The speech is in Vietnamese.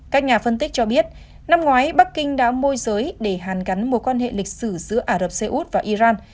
các nhà phân tích cho biết năm ngoái bắc kinh đã môi giới để hàn gắn mối quan hệ lịch sử giữa ả rập xê út và iran